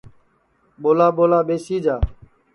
ٻولا ٻولا ٻیسی جا